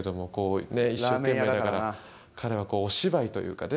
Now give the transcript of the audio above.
一生懸命ねだから彼はこうお芝居というかね。